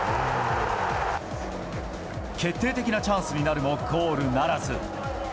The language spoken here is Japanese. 決定的なチャンスになるもゴールならず。